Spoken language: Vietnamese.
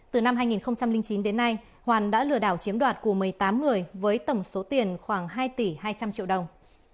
từ năm hai nghìn chín đến nay hoàn đã lừa đảo chiếm đoạt của một mươi tám người với tổng số tiền khoảng hai tỷ hai trăm linh triệu đồng